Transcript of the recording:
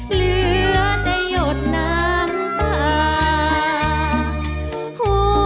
เหลือจะหยดน้ำตา